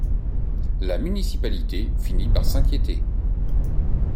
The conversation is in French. La municipalité finit par s'inquiéter.